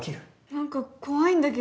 なんか怖いんだけど。